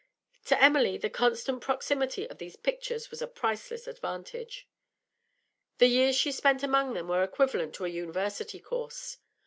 To Emily the constant proximity of these pictures was a priceless advantage; the years she spent among them were equivalent to a university course.